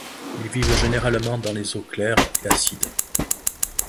Ils vivent généralement dans les eaux claires et acides.